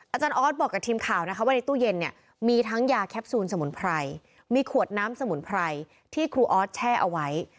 อาจารย์ออสบอกกับทีมข่าวนะคะว่าในตู้เย็นเนี่ยมีทั้งยาแคปซูลสมุนไพรมีขวดน้ำสมุนไพรที่ครูออสแช่เอาไว้